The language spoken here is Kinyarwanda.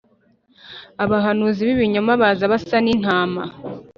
Abahanuzi b'ibinyoma baza basa n'intama.